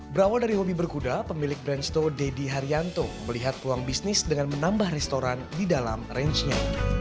berawal dari hobi berkuda pemilik branchto deddy haryanto melihat peluang bisnis dengan menambah restoran di dalam rangenya